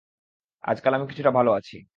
আজকাল আমি কিছুটা ভাল আছি।